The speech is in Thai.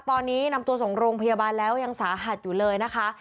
ตอนนี้นำตัวส่งโรงพยาบาลแล้วยังสาหัสอยู่เลยนะคะ